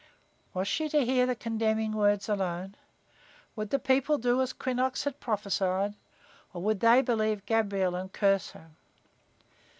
Was she to hear the condemning words alone? Would the people do as Quinnox had prophesied, or would they believe Gabriel and curse her?